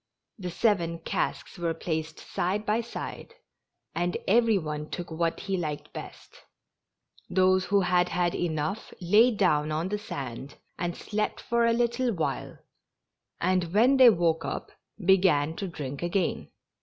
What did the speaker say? The seven casks were placed side by side, and every one took what he liked best; those who had had enough lay down on the sand and slept for a little while, and when they woke up began to drink again.